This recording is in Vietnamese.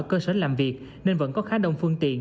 cơ sở làm việc nên vẫn có khá đông phương tiện